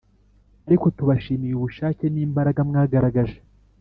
ariko tubashimiye ubushake n’imbaraga mwagaragaje